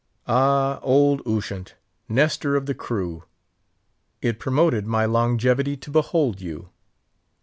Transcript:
Ah! old Ushant, Nestor of the crew! it promoted my longevity to behold you.